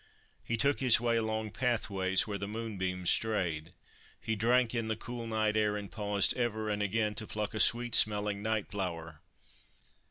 He took his way along pathways where the moonbeams strayed. He drank in the cool night air, and paused ever and again to pluck a sweet smelling night flower.